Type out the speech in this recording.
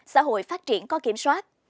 xã hội phát triển có kiểm soát